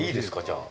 じゃあ。